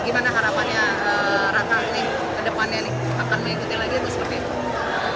gimana harapannya raka ini ke depannya akan mengikuti lagi atau seperti itu